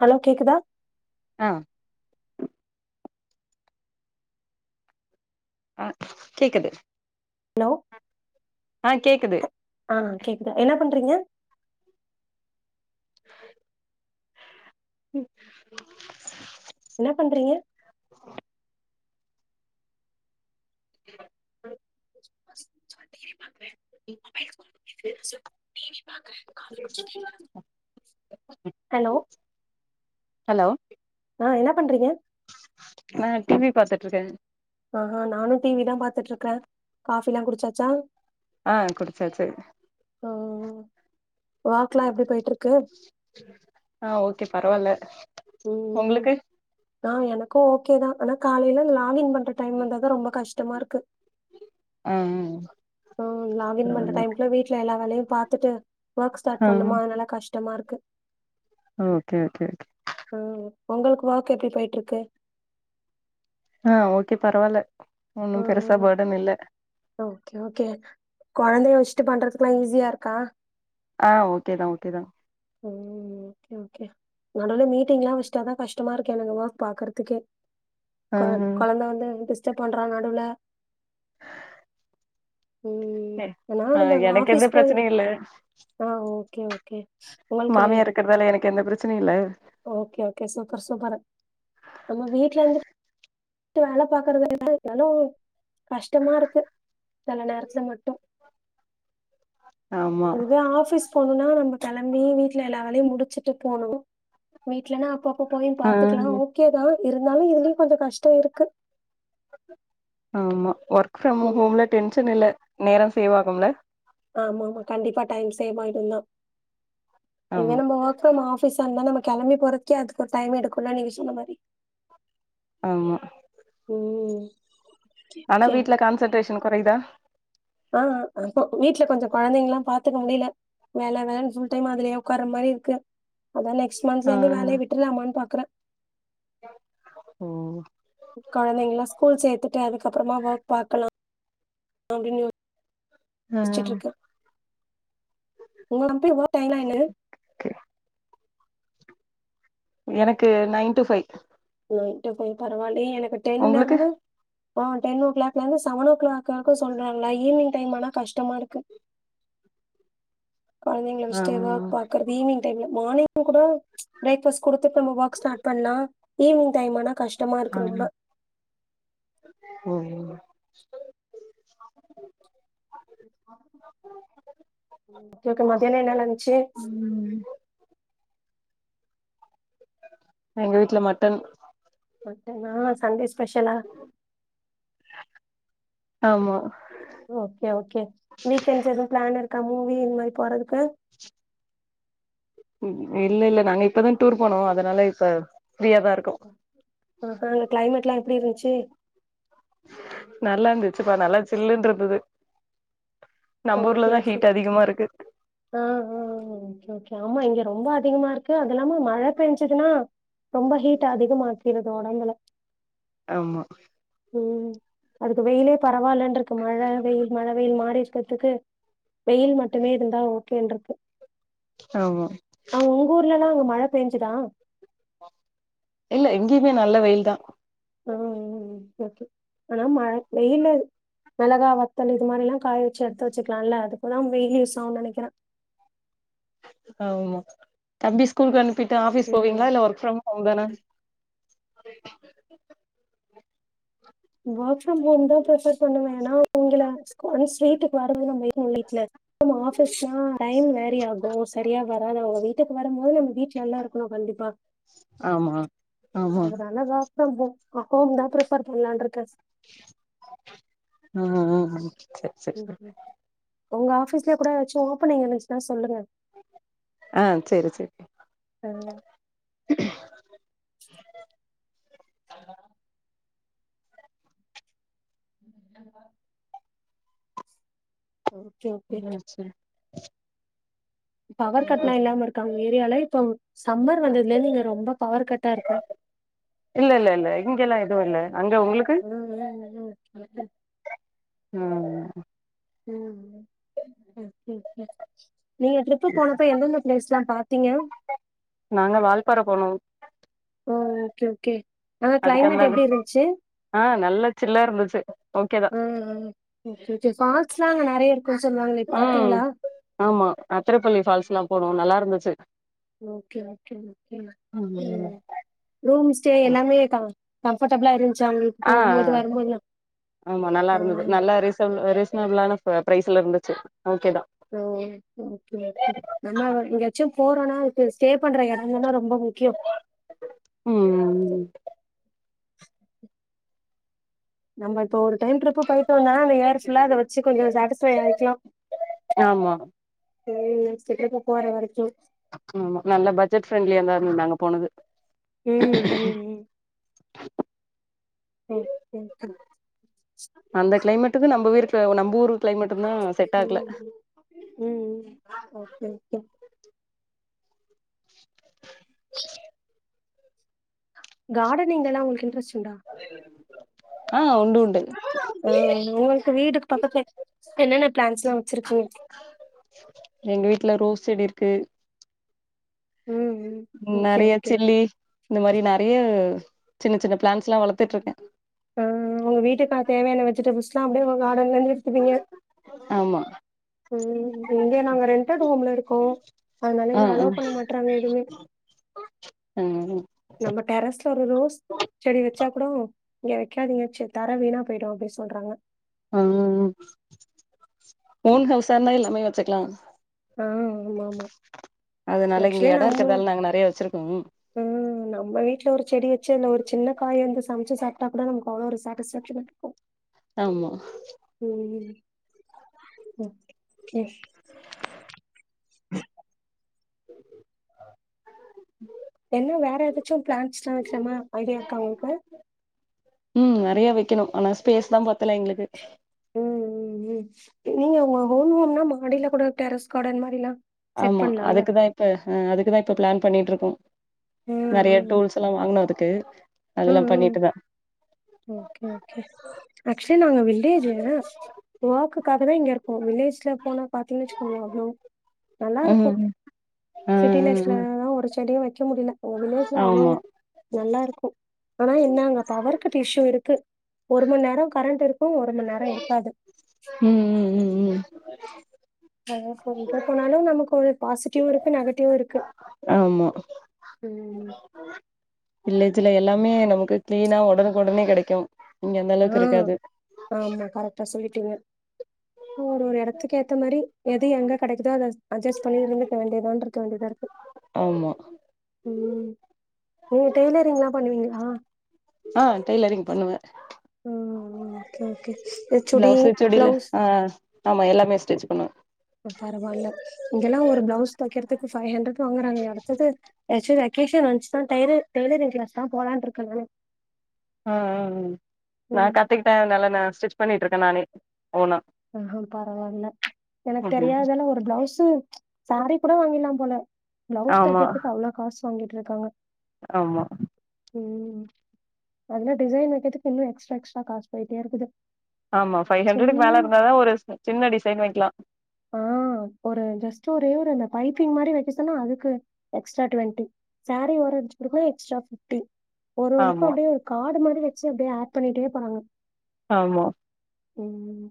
Hello கேக்குதா ஆ அ கேக்குது ஹலோ ஆ கேக்குது அ கேக்குது என்னா பண்றீங்க ம் என்ன பண்றீங்க? [inaudible] [inaudible] ஹலோ ஹலோ அ என்ன பண்றீங்க நா டி வி பாத்துட்டுருக்கேங்க அ ஹான் நானு டி வி தா பாத்துட்டுருக்கே காஃபில்லா குடிச்சாச்சா ஆ குடிச்சாச்சு [inaudible] வொர்கலா எப்பிடி போயிட்டுருக்கு ஆ ஓகே பரவால்ல உங்களுக்கு ஆ எனக்கும் ஓகே தான் ஆனா காலையில லாகின் பண் டைம் வந்தாத ரொம்ப கஷ்டம் முமாக்கு ஆ ஆ ம் லாகின் பண்ற டைம் குள்ள வீட்ல எல்ல வேலையு பாத்துட்டு ஒர்க் ஸ்டார்ட் ஆ பண்ணுமா அதனால கஷ் ட்டமா இருக்கு ஓகே ஓகே ஓகே ம் உங்களுக்கு ஒர்க் எப்டி போயட்டு இருக்கு ஆ ஓகே பரவாயில ம் ஓகே ஓகே குழந்தைய வச் சு பண்றதுக்குெல்லாம் ஈஸியா இருக்கா ஆ ஓகேதான் ஓகே தான் ம் ஓகே ஓகே நடுவுல மீட்டிங் எல்லாம் வச்ச்டாதான் கஷ்டமா இருக்கே எனக்கு பாக்குறதுக்கே ஆ குழ குழந்த வந்து கச்ச பண்றான் நடுவுல ம் ஏன்னா ஆ நம்ம எனக்கு ஆஃபீஸ் எந்த போய் பிரச்சனையு இல்ல ஆ ஓகே ஓகே உங்களுக்கு மாமியா இருக்கறதால எனக் கு எந்த பிரச்சனைையும் இல ஓகே ஓகே சூப்பர் சூப்பர் நம்ம வீட்ல இருந்து வேலை பாக்குறது எனலும் கஷ்டமா இருக்கு சில நேரத்துல மட்டும் ஆமா இதுதான் ஆஃபிஸ் போணும்னா நம்ம கிளம்பி வீட்டுல எல்லா வேலையும் முடிச்சுட்டு போனும் வீட்லனா அப்ப போயும் ஆ பாத்துக்கலாம் ஓகே தான் இருந்தாலும் இதுலயும் கொஞ்சம் கஷ்டம் இருக்கு ஆமா ஒர்க் ஃபிரம் ம் ஹோம்ல டென்ஷன் இல்ல நேரம் சேவ் ஆகும்ல ஆமா ஆமா கண்டிப்பா டைம் சேவ் ஆயிடுந்தா ஆமா எங்கன மக்கம் ஆபீஸ் இரு ந கெளம்பி போறதுக்கே அதுக்கு ஒரு டைம் எடுக்குல நீங்க சொன்ன மாரி ஆமா ம் ஆனா ஓகே வீட்ல கான்சன்ட்ரேஷன் கொறைதா ஆ அப்போ வீட்ல கொஞ்ச கொழந்தைங்லா பாத்துக்க முடில வேல வேலன்னு ஃபுல் டைம் அதுலியே உக்கார மாரிருக்கு அதா நெக்ஸ்ட் ஆ மந்த்லருந்து வேலய விட்ரலாமானு பாக்ற ஓ கொழந்தைங்லா ஸ்கூல் சேத்துட்டு அதுக்கப்றமா ஒர்க் பாக்கலா அப்டினு அ அ அ உங்ள நம்பி [unintelligible] ஓகே எனக்கு nine two five nine two five பரவாலியே எனக்கு உங்களுக்கு டென்லேருந்து அ டென் ஓ க்ளாக்லேந்து சவன் ஓ க்ளாக் வரைக்கு சொல்றாங்ளா ஈவ்னிங் டைமானா கஷ்டமாருக்கு கொழந்தைங்ல ஆ வஷ்ட்டு ஒர்க் பாக்றது ஈவ்னிங் டைம்ல மானிங் உங் கூட ப்ரேக் ஃபாஸ்ட் குடுத் திருப் நம்ம ஒர்க் ஸ்டார்ட் பண்லா ஈவ்னிங் டைமானா ஆ கஷ்டமாருக்கு ரொம்ப ஒ ஒ க்ஓகே மத்தியான என்னா லன்ச்சி ம் எங்க வீட்ல மட்டன் மட்டனா சண்டே ஸ்பெஷலா ஆமா ஓகே ஓகே வீக் எண்ஸ் எதும் ப்ளேன் இருக் க மூவி இந்மேரி போறதுக்கு இல்ல இல்ல நாங்க இப்பதா டூர் போனோ அதனால இப்ப ஃப்ரீயா தா இருக்கோ அ ஹா அங்க க்ளைமேட்லா எப்டிருந்ச்சு சி நல்லாருந்துச்சுப்பா நல்லா சில்லுன்றுந்துது நம்பூர்லதா ஹீட் அதிகமாருக்கு அ அ அ ஓகே ஓகே ஆமா இங்க ரொம்ப அதி திகமாருக்கு அது இல்லாம மழ பேஞ்சிதுனா ரொம்ப ஹீட் அதிகமாக்கிருது ஒடம்புல ஆமா ம் அதுக்கு வெயிலே பரவால்லன்க் இப்ப மழ வெயில் மழ வெயில் மாறி த்துக்கு வெயில் மட்டுமே இருந்தா ஓகேன்ருக்கு ஆமா அங்க உங் ஊர்லலா அங்க மழ பேஞ்சிதா இல்ல எங்யுமே நல்ல வெயில் தா ம் ம் ம் ஓகே ஆனா மழை வெயிலு மிளகா வத்தல் இது மாரிலா காய வச்சு எடுத்து வச்சுக்லால்ல அதுப்பதா வெயில் யூஸ் ஆவு நனக்கிற ஆமா தம்பி ஸ்கூல்க் அணுப் பிட்டு ஆஃபிஸ் போவிங்ளா ம் இல்ல ஒர்க் ஃப்ரம் ஒங்கன ஓக் ஃப்ரம் ஹொம் தா ப்ரஃபர் தொன்ணுவே ஏனா இங்கில ஒன்ஸ் வீட்டுக்கு வரது [unintelligible] வீட்ல ஆஃபஸ்னா டைம் வேரி ஆகும சரியா வராது அவ்ங்க வீட் டுக் வரம்மோது நம் வீட்ல நல்ல இருக்குணு கண்டிப்பா ஆமா ஆமா ஆஹோம் தான் பிரிஃபர் பண்ணலான் தஸ் ம் ம் சரி சரி ம்ஹ்ம். உங்க ஆபீஸ்லய கூட ஏதாச்சும் ஓப்பன்ங் இருந்துச்சுன்னா சொல்லுங்க ஆ சரி சரி ங்க ஆஹ உ ஓகே. அ சரி [inaudible] பவர் கட் எல்லாம் இல்லாம இருக்கா உங்க ஏரியால இப்ப சம்மர் வந்ததுல நீங்க ரொம்ப பவர் கட்டா இருக்கு அதுவுல்ல ம் என் ம் ஆ ம் நீங்க ட்ரிப்பு போனப்ப எந்தெந்த பிளேஸ்லாம் பா நாங்க வால்பாறை போனோம் ஓ ஓகே ஓகே அ கிளைமேட் அதுக்கந்தான எப்டி இருந்துச்சு ஆ நல்லா சில்லா இருந்துச்சு ஓகேதா ம் [unintelligible] ஃபால்ஸ் லாம் ம் ஆமா அத்திரப்பள்ளி ஃபால்ஸ் எல்லாம் போனோம் நல்லா இருந்துச்சு ரூம் ஸ்டே எல்லாமே தா கம்ஃபர்டபிளா இருந் ஆ ஆமா நல்லா ஆ. இருந்தது நல்லா ரீ ரீசனபிளான அ ப்ரைஸ்லா இருந்துச்சு ஓகேதா நம்ம எங்கயாச்சும் போறோனா ஸ்டே பண்ற எடம்தான் ரொம்ப முக்கியம் ம் நம்ம தோர் டைம் டிரிப்பு ஆமா உ செக்கப் போறவைக்கும் ஆமா நல்ல பட்ஜட்ஃப்ரெண்ட்லியா தான் இருந்தது நாங்க போனது [inaudible] ம் ம் ம் ம் அந்த கிளைமேட்டுக்கு நம்பயிர்க் த நம்பூர் உம் உம் ஓகே ஓகே [inaudible] [inaudible] கார்டனிங் எல்லா உங்களுக்கு இன்ட்ரெஸ்ட் உண்டா ஆ உண்டு உண்டு ம் உங்களுக்கு வீடுக்கு பக்கத்துல என்னன்ன பிளான்ட்ஸ்லா ச்சிருக்கு எங்க வீட்டுல ரோஸ் செடி இருக்கு ம் ம் ஓகே நறைய ஓகே சில்லி இந்த மாரி நறைய சின்ன சின்ன பிளான்ட் ஆ உங்க வீட்ட பாத்த [unintelligible] வெஜிடபிள்ஸ் [unintelligible] [unintelligible] எடுத்துப்பீங்க ஆமா உம் இங்க நாங்க ரென்டட் ஹோம்ல இருக்கோ அதனால ஆ நா ஆ அலோ பண்ண மாட்றாங்க எதுமே ம் நம்ம டெரஸ்ல ஒரு ரோஸ் செடி வ ச்சா கூடோ இங்க வைக்காதீங்கு சா தர வீணா போயிடு அப்படி சொல்றாங்க உம் ஓன் ஹவுசா இருந்தா இல்லாமே வச்சுக்கலா ஆ ஆமா ஆமா அதனால இங்க சுவல எடோ நம்ம இருக்கறதால நாங்க நெறைய வச்சிருக்கோ ஆ நம்ம வீட்டுல ஒரு செடி வ ச்சு ஒரு சின்ன காய வந்து சமைச்சு சாப்பிட்டா கூட நமக்கு அவ்வளோ ஒரு சாட்டிேக்ஷன இருக்கு ஆமா உம் ம் ம் [inaudible] [inaudible] என்ன வேற ஏதாச்சும் பிளான்ட்ஸ்ல்லா வைக்கிறமாரி ஐடியா இருக்கா உங்களுக்கு உம் நறைய வைக்கணும் ஆனா ஸ்பேஸ் தா பத்தல எங்களுக்கு உம் உம் உம் நீங்க உங்க ஹோம் னா மாடில கூட டெரஸ் கடன் மாரிலா செட் ஆமா பண்லால்ல அதுக்குதா இப்ப ஹா அதுக்குதா இப்ப பிளான் பண்ணிட்டு இருக் கோ ம் நறைய ம் டூல்ஸ் எல்லா வாங்கனு அதுக்கு அதெல்லா ம் ம் பண்ணிட்டுதா ஓகே ஓகே ஆக்ஸ்வலி நாங்க வில்லேஜ் ஒர்க் க்காக தா இங்க இருக்கோ வில்லேஜ்ல போனா பாத்தீங்கன்னு வச்சுக்கோங்கள அவ்ளோ நல்லா ம் இருக்கூ ம் சிட்டி ம் லைப்ல ம் தா ஒரு செடியு வை க்க முடில உங்க வில்லேஜ்ல அவ்ளோ ஆமா நல்லா இருக்கூ ஆனா என்ன அங்க பவர் கட் இஸ்சு இருக்கு ஒரு மண்நேரம் கரண்ட் இருக் ம் ம் ம் ம் அதா சொல்லிட்ட போனாலு நமக்கு ஒரு பாசிட்டிவ் இருக்கு நெகட்டிவ் இருக்கு ஆமா ம் இதில எல்லாமே நமக்கு க்ளீனா ஒடனுக்கு ஒடனே கெடைக்கு இங்க அந்த ஆ அளவுக்கு இருக்காது ஆமா கரெக்டா சொல்லிட்டீங்க ஒரு ஒரு எடத்துக்கு ஏத்த மாரி எது எங்க கெடைக்குதோ அத அட்ஜஸ்ட் பண்ணி இருந்துக்க வேண்டியதோனு இருக்க வேண்டியதா இருக்கு ஆமா ம் நீங்க டெய்லரிங்ல்லா பண்ணுவீங்களா ஆ டெய்லரிங் பண்ணுவே ம் ம் ஓகே ஓகே இந்த சுடி பிளவுஸு சுடில ப்ளவுஸ் ஆ ஆமா எல்லாமே ஸ்டிச் பண்ணுவே பரவாயில்ல இங்கெல்லா ஒரு ப்ளவுஸ் தைக்கறதுக்கு பைவ் ஹண்ட்ரட் வாங்குறாங்க அடுத்தது எதாச்சு வெக்கேஷன் வந்துச்சுன்னா டைல டைலரிங் கிளாஸ் தா போலான்னு இருக்க நானு ஆ ஆ ம் நா கத்துக்கிட்ட நல்லா நா ஸ்டிச் பண்ணிட்டு இருக்க நானே ஓனா ஓஹோ பரவால்ல எனக்கு ம் தெரியாதல்லா ஒரு ப்ளவுஸ்சு சாரி கூட வாங்கிற்லா போல ப்ளவுஸ் ஆமா தைக்றத்துக்கு அவளோ காசு வாங்கிட்டு இருக்காங்க ஆமா ம் அதுல டிசைன் வைக்கரதுக்கு இன்னு எக்ஸ்ட்ரா எக்ஸ்ட்ரா காசு போயிட்டே இருக்குது. ஆமா ஃபைவ் சின் ஹண்ட்ரட்டுக்கு மேல இருந்தா தா ஒரு சின்ன டிசைன் வெக்கலா ஆ ஒரு ஜஸ்ட்டு ஒரே ஒரு அந்த பைப்பிங் மாரி வெக்க சொன்னா அதுக்கு எக்ஸ்ட்ரா டுவண்ட்டி சாரீ ஓரோ அடிச்சு குடுக்கவே எக்ஸ்ட்ரா ஃபிப்டி ஒருவனுக்கு ஆமா அப்புடியே ஒரு காடு மார் வெச்சு அப்டியே ஆட் பண்ணிட்டே போறாங்க ஆமா ம்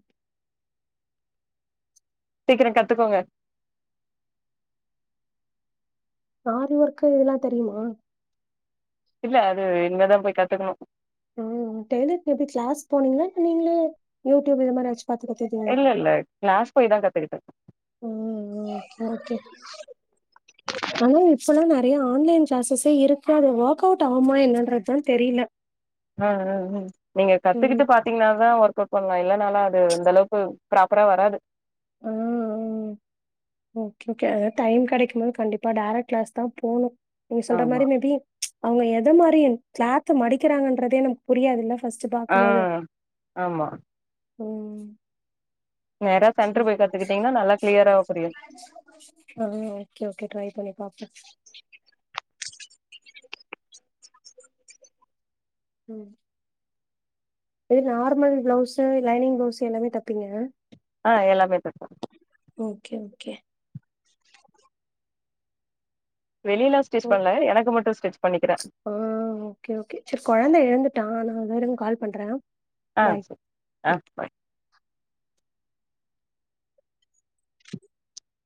சீக்கிரோ கத்துக்கோங்க ஆரி வொர்க்கு இதெல்லா தெரியுமா இல்ல அது இனிமேதா போய் கத்துக்கணோ ம் டெய்லரிங் தெர்ந்து க்ளாஸ் போனீங்களா நீங்களே யூடியூப் இது மாரி ஆச் இல்லல்லே கிளாஸ் போய் தா கத்துக்கிட்டே ம் ம் ஒகே ஆனா இப்பெல்லா நறையா ஆன்லைன் கிளாஸஸே இருக் ஆது ஒர்க் அவுட் ஆவுமா என்னன்றதுதா தெரியுல ஹா ஹா ஹா நீங்க ம் கத்துக்கிட்டு பாத்தீங்னாதா ஒர்க் இப்ப பண்லா இல்லனாலா அது அந்த அளவுக்கு ப்ராப்பரா வராது ஆ ஆ ஓகே ஓகே அதா டைம் கெடைக்குபோது கண்டிப்பா டைரக்ட் கிளாஸ் தா போணோ நீங்க சொல்ற ஆமா மாரி மேபி அவுங்க எத மாரி கிளாத்து மடிக்கிறாங்கன்றதே நமக்கு புரியாதுல்ல ஃபர்ஸ்ட்டு ஆ பாக்கும்போது ஆமா ம் நேரா சென்ட்று சரி போய் கத்துக்கிட்டீங்ன்னா நல்லா கிளியராவே புரியு ஆ ஓகே ஓகே ட்ரை பண்ணி பாப்போ ம் ஏ நார்மல் பிளவுஸ்ஸு லைனிங் பிளவுஸ் எல்லாமே தப்பீங்க ஆ எல்லாமே தப்போ ஓகே ஓகே வெளில ஸ்டிச் ஓ பண்ல எனக்கு மட்டு ஸ்டிச் பண்ணிக்கிறே ஆ ஓகே ஓகே சரி கொழந்த எழுந்து பரவால்லங்க இன்னொரு நாள் கால் பண்றே ஆ பாய் சரி ஆ பாய்